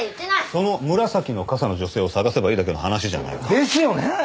その紫の傘の女性を捜せばいいだけの話じゃないか。ですよね。